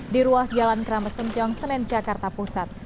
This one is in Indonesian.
di ruas jalan kramat sencong senenjakarta pusat